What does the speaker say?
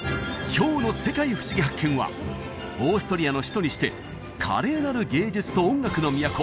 今日の「世界ふしぎ発見！」はオーストリアの首都にして華麗なる芸術と音楽の都